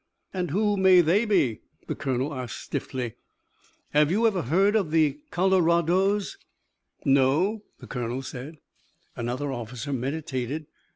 "And who may they be?" the colonel asked stiffly. "Have you ever heard of the Colorados?" "No," the colonel said. Another officer meditated.